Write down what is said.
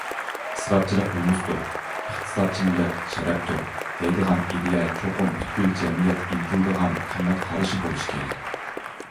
ئىسراپچىلىق نومۇستۇر، ئىقتىسادچىللىق شەرەپتۇر، دەيدىغان ئىدىيە چوقۇم پۈتكۈل جەمئىيەت ئىنتىلىدىغان قىممەت قارىشى بولۇشى كېرەك.